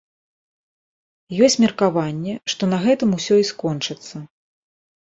Ёсць меркаванне, што на гэтым усё і скончыцца.